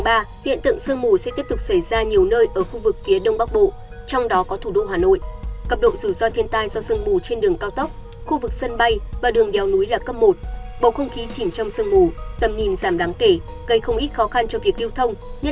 bình tĩnh xử lý khi có sự cố